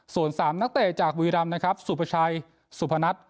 ส่วนสามนักเต่จากบ๋วยดำนะครับสุผัชัยสุพนัส